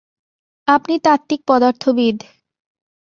আপনি তাত্ত্বিক পদার্থবিদ।